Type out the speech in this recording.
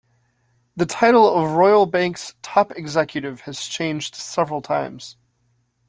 The title of Royal Bank's top executive has changed several times.